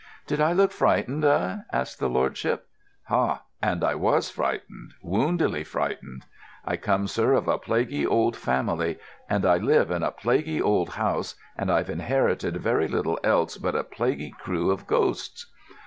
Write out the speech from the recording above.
"Did I look frightened, eh?" asked his lordship. "Hah, and I was frightened, woundily frightened. I come, sir, of a plaguy old family, and I live in a plaguy old house, and I've inherited very little else but a plaguy crew of ghosts."